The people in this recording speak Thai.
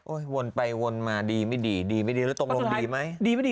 โอ้ยวนไปวนมาดีไม่ดีดีไม่ดีหรือตรงลงดีไหมดีไม่ดี